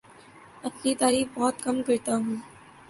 اپنی تعریف بہت کم کرتا ہوں